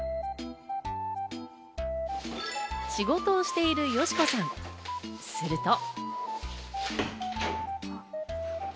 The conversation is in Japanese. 仕事をしている佳子さん、すると。